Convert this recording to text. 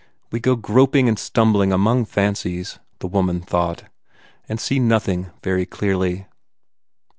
We go groping and stumbling among fancies, the woman thought, and see nothing very clearly.